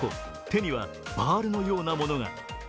手にはバールのようなものが。